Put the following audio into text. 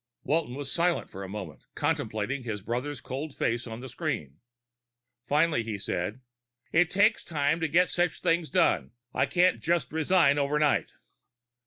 Walton was silent for a moment, contemplating his brother's cold face on the screen. Finally he said, "It takes time to get such things done. I can't just resign overnight."